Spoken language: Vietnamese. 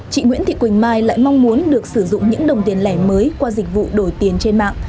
chị nguyễn thị quỳnh mai lại mong muốn được sử dụng những đồng tiền lẻ mới qua dịch vụ đổi tiền trên mạng